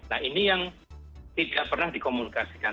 nah ini yang tidak pernah dikomunikasikan